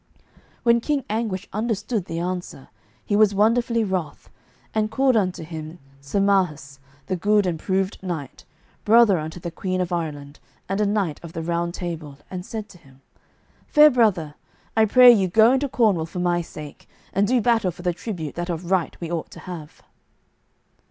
When King Anguish understood the answer, he was wonderfully wroth, and called unto him Sir Marhaus, the good and proved knight, brother unto the queen of Ireland, and a knight of the Round Table, and said to him: "Fair brother, I pray you go into Cornwall for my sake, and do battle for the tribute that of right we ought to have."